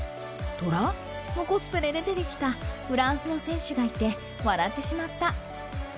虎？のコスプレで出てきたフランスの選手がいて、笑ってしまった。